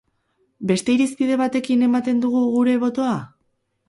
Beste irizpide batekin ematen dugu gure botoa?